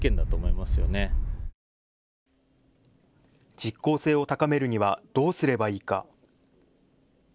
実効性を高めるにはどうすればいいか。